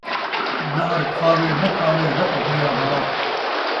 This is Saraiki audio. نحر کھاوے ناں کھاوے ، رت بھریا وات